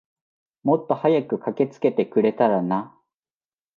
もっと早く駆けつけてくれたらな。